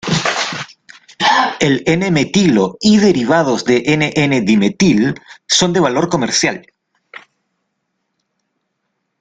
El "N"-metilo y derivados de "N","N"-dimetil son de valor comercial.